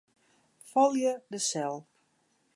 Folje de sel.